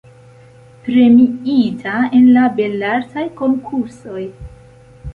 Premiita en la Belartaj Konkursoj.